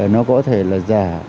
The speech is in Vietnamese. nó có thể là giả